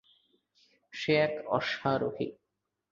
সে এক অশ্বারোহী।